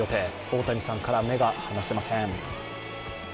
大谷さんから目が離せません。